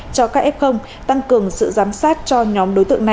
cho các f